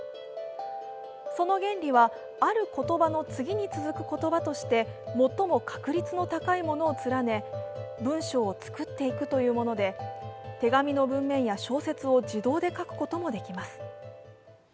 その原理は、ある言葉の次に続く言葉として最も確率の高いものを連ね文章を作っていくというもので手紙の文面や小説を自動で書くこともできます。